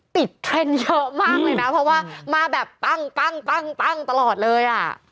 เทรนด์เยอะมากเลยนะเพราะว่ามาแบบปั้งตลอดเลยอ่ะ